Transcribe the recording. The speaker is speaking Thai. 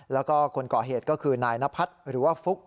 แล้วก็คนก่อเหตุก็คือนายนพัฒน์หรือว่าฟุ๊ก